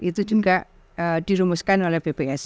itu juga dirumuskan oleh bps